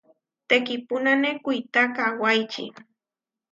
Teʼkipúnane kuitá kawáiči.